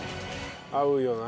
合うよな。